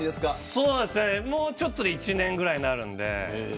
そうですね、もうちょっとで１年くらいになるので。